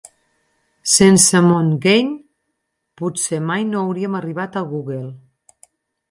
Sense Montaigne potser mai no hauríem arribat a Google.